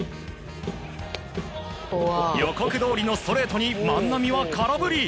予告どおりのストレートに万波は空振り。